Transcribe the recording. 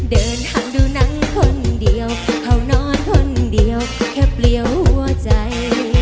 เดินทางดูหนังคนเดียวเขานอนคนเดียวแค่เปลี่ยวหัวใจ